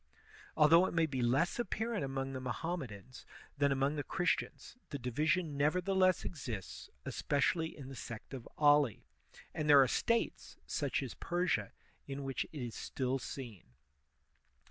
Although it may be less apparent among the Mohammedans than among the Christians, the division nevertheless exists, especially in the sect of Ali; and there are States, such as Persia, in which it is still seen.